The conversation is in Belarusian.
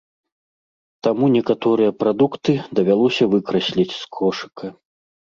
Таму некаторыя прадукты давялося выкрасліць з кошыка.